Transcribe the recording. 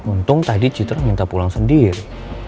untung tadi citra minta pulang sendiri